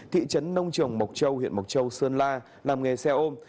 thị trấn nông trường mộc châu huyện mộc châu sơn la làm nghề xe ôm